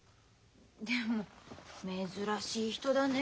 でも珍しい人だねえ。